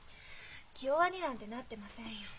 気弱になんてなってませんよ。